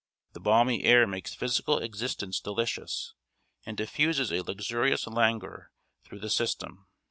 The balmy air makes physical existence delicious, and diffuses a luxurious languor through the system.